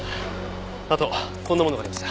あとこんなものがありました。